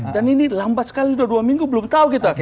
dan ini lambat sekali sudah dua minggu belum tahu kita